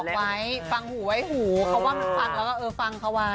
ไว้ฟังหูไว้หูเขาว่ามันฟังแล้วก็เออฟังเขาไว้